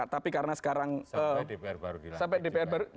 tapi karena sekarang sampai dpr baru